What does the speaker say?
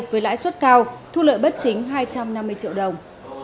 với lãi suất cao thu lợi bất chính hai trăm năm mươi triệu đồng